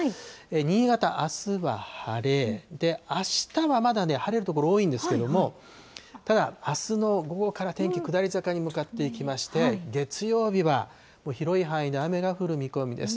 新潟、あすは晴れ、あしたはまだね、晴れる所、多いんですけれども、ただ、あすの午後から天気下り坂に向かっていきまして、月曜日は広い範囲で雨が降る見込みです。